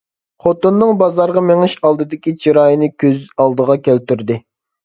خوتۇنىنىڭ بازارغا مېڭىش ئالدىدىكى چىرايىنى كۆز ئالدىغا كەلتۈردى.